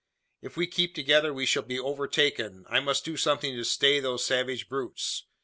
"If we keep together we shall be overtaken. I must do something to stay those savage brutes.